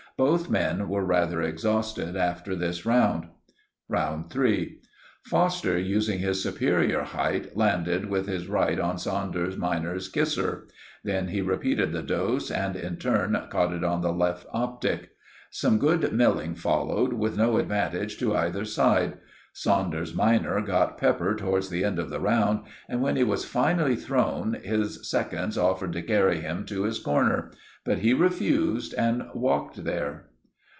Both men were rather exhausted after this round. "Round 3.—Foster, using his superior height, landed with his right on Saunders minor's kisser. Then he repeated the dose, and in return caught it on the left optic. Some good milling followed, with no advantage to either side. Saunders minor got pepper towards the end of the round, and when he was finally thrown, his seconds offered to carry him to his corner; but he refused, and walked there.